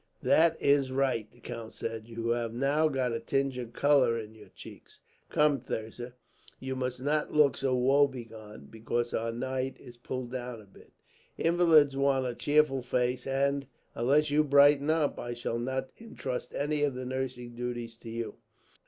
"That is right," the count said. "You have now got a tinge of colour in your cheeks. "Come, Thirza, you must not look so woebegone, because our knight is pulled down a bit. Invalids want a cheerful face and, unless you brighten up, I shall not intrust any of the nursing duties to you."